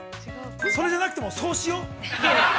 それじゃなくても、そうしよう。